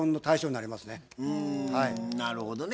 うんなるほどね。